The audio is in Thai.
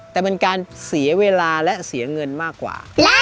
แต่มันการเสียเวลาและเสียเงินมากกว่า